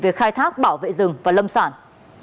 về khai thác bảo vệ rừng và lâm sản